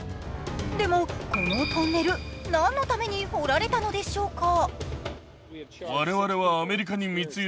でも、このトンネル、何のために掘られたのでしょうか？